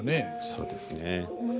そうですね。